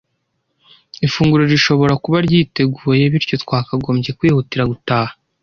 Ifunguro rishobora kuba ryiteguye, bityo twakagombye kwihutira gutaha.